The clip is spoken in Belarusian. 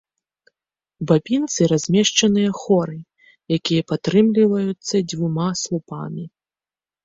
У бабінцы размешчаныя хоры, якія падтрымліваюцца дзвюма слупамі.